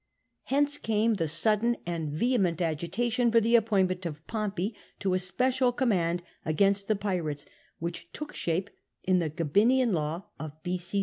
Hence came the sudden and vehement agitation for the appointment of Pompey to a special command against the pirates, which took shape in the Gabinian Law of B.c.